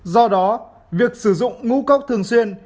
do đó việc sử dụng ngu cốc thường xuyên